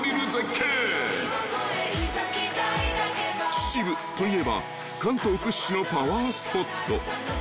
［秩父といえば関東屈指のパワースポット］